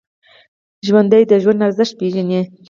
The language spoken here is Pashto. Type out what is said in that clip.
ژوندي د ژوند ارزښت پېژني